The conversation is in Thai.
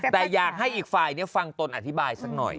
แต่อยากให้อีกฝ่ายฟังตนอธิบายสักหน่อย